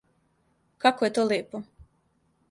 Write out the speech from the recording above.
Како је то лепо.